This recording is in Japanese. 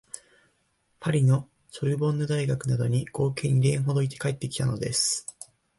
パリのソルボンヌ大学などに合計二年ほどいて帰ってきたのです